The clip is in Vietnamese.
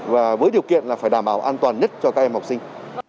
và với điều kiện là phải đảm bảo an toàn nhất cho các em học sinh